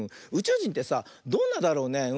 うちゅうじんってさどんなだろうね。